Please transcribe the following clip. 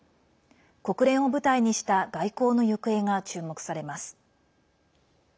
国連を舞台にした外交の行方が注目されます。